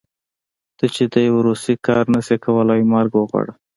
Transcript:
ته چې د يو روسي کار نشې کولی مرګ وغواړه.